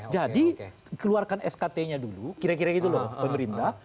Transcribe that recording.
jadi keluarkan skt nya dulu kira kira gitu loh pemerintah